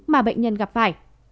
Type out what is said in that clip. mà bệnh nhân gặp phải